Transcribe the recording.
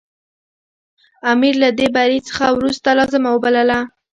امیر له دې بري څخه وروسته لازمه وبلله.